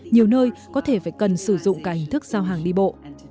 nhiều nơi có thể phải cần sử dụng cả hình thức giao hàng đi bộ